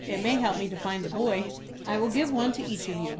"It may help me to find the boy." "I will give one to each of you.